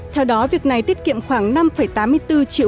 theo đó việc này tiết kiệm khoảng năm tám mươi bốn triệu